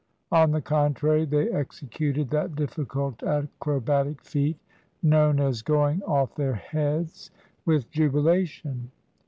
On the contrary, they executed that difficult acrobatic feat known as going off their heads, with jubilation.